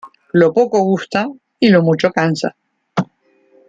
Lo poco gusta y lo mucho cansa